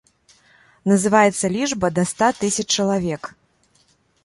Называецца лічба да ста тысяч чалавек.